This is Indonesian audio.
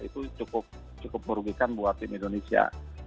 itu cukup merugikan buat tim indonesia